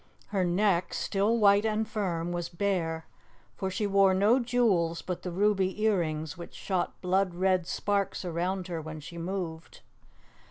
Her neck, still white and firm, was bare, for she wore no jewels but the ruby earrings which shot blood red sparks around her when she moved.